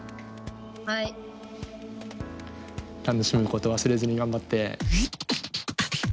楽しむこと忘れずに頑張って。